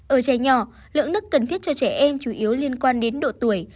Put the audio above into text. ở trẻ nhỏ lượng nước cần thiết cho trẻ em chủ yếu liên quan đến độ tuổi